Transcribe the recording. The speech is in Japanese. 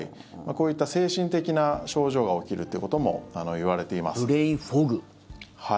こういった精神的な症状が起きるということもブレインフォグ。